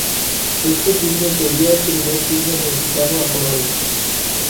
Este filme sería el primer filme mexicano a colores.